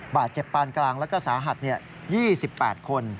บาดเจ็บปานกลางและสาหัส๒๘คน